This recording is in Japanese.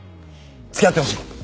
付き合ってほしい！